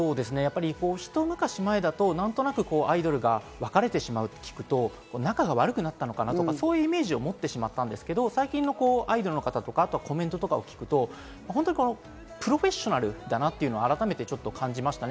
ひと昔前だと何となくアイドルがわれてしまって聞くと、仲が悪くなったのかなとか、そういうイメージを持ってしまったんですけど、最近のアイドルの方とかのコメントを聞くとプロフェッショナルだなっていうのを改めてちょっと感じました。